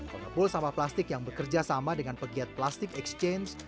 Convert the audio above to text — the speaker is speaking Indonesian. pengepul sampah plastik yang bekerja sama dengan pegiat plastik exchange